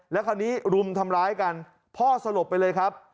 แล้วคราวนี้รุมทำร้ายกันพ่อสลบไปเลยครับ